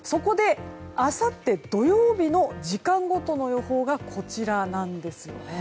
あさって土曜日の時間ごとの予報がこちらなんです。